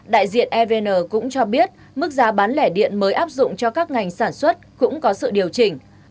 đại diện evn cũng cho biết mức giá bán lẻ điện mới áp dụng cho các ngành sản xuất cũng có sự điều chỉnh